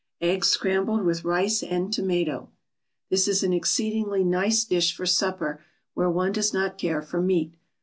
EGGS SCRAMBLED WITH RICE AND TOMATO This is an exceedingly nice dish for supper where one does not care for meat.